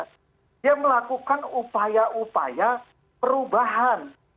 dia melakukan upaya upaya perubahan